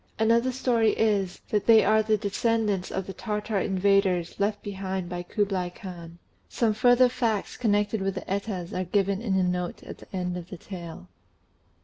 Another story is, that they are the descendants of the Tartar invaders left behind by Kublai Khan. Some further facts connected with the Etas are given in a note at the end of the tale.